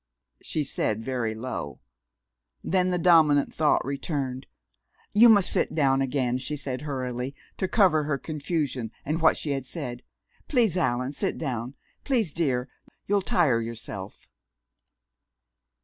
_" she said very low. Then the dominant thought returned. "You must sit down again," she said hurriedly, to cover her confusion, and what she had said. "Please, Allan, sit down. Please, dear you'll tire yourself."